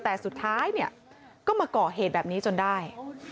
แต่สุดท้ายก็มาเกาะเหตุแบบนี้จนได้